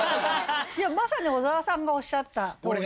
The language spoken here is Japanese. まさに小沢さんがおっしゃったとおり。